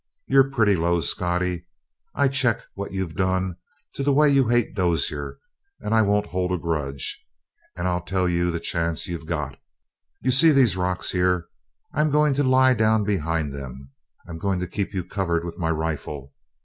You're pretty low, Scottie; I check what you've done to the way you hate Dozier, and I won't hold a grudge. And I'll tell you the chance you've got. You see these rocks, here? I'm goin' to lie down behind them. I'm going to keep you covered with my rifle.